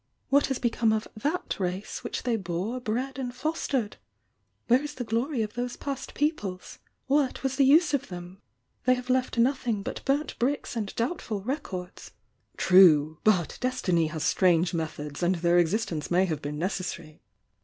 What has become of that race which they bore, bred and fostered? Where is the glory of those past peoples? What was the use of them? They have left nothing but burnt bricks and doubtful rec ords!" ,.,, "True!— but Destiny has strange methods, and their existence may have been necessary."